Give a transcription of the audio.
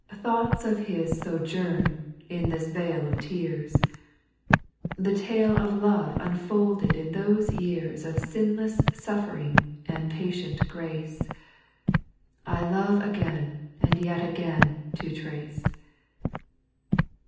8. Thoughts of His sojourn in this vale of tears ;— The tale of love unfolded in those years Of sinless sufifering and patient grace, I love again, and yet again to trace.